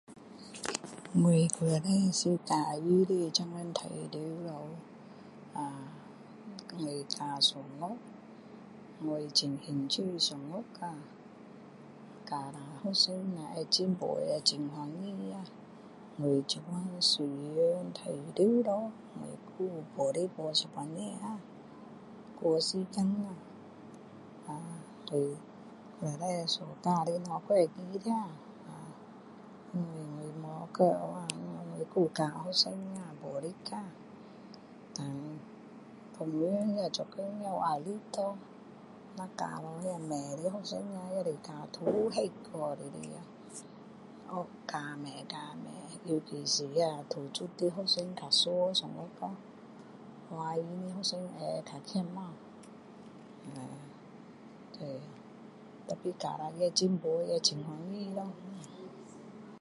我以前是教书的现今退休了啊我教数学我很兴趣数学啊教了学生若会进步会很高兴啊我现今虽然退休了我还有补习补一两个啊过时间啊我以前所教的东西都会记得啊因为我没丢啊因为我还有教学生啊补习啊然后哦当然做工也有压力咯若教那不会的学生也是教吐血去里力学教不会教不会尤其是土族的会较输华人的学生会较棒呃都是可是教了会进步我也很高兴咯